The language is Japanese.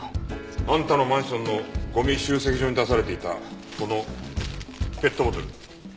あんたのマンションのゴミ集積所に出されていたこのペットボトル。